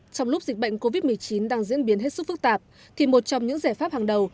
trong lúc dịch bệnh covid một mươi chín đang diễn biến hết sức phức tạp thì một trong những giải pháp hàng đầu